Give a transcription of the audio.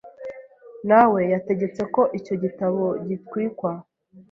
nawe yategetse ko icyo gitabo gitwikwa